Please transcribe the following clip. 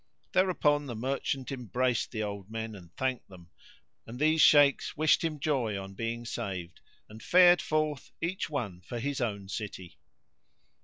Thereupon the merchant embraced the old men and thanked them, and these Shaykhs wished him joy on being saved and fared forth each one for his own city.